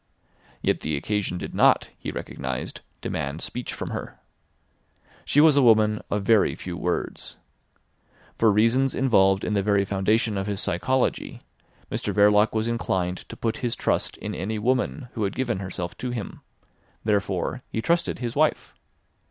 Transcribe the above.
Yet the occasion did not, he recognised, demand speech from her. She was a woman of very few words. For reasons involved in the very foundation of his psychology, Mr Verloc was inclined to put his trust in any woman who had given herself to him. Therefore he trusted his wife.